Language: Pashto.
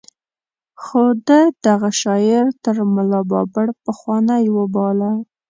خو ده دغه شاعر تر ملا بابړ پخوانۍ وباله.